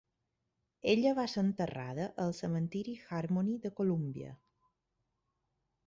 Ella va ser enterrada al Cementiri Harmony de Columbia.